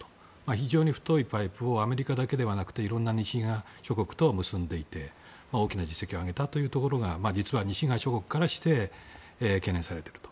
非常に太いパイプをアメリカだけではなくていろんな西側諸国と結んでいて大きな実績を上げたというところが西側諸国から懸念されていると。